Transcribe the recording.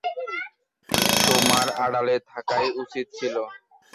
তোমার আড়ালে থাকাই উচিত ছিল।